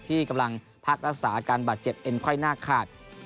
ที่กำลังพักรักษาการบัตรเจ็ดเอ็นค่อยน่าขาด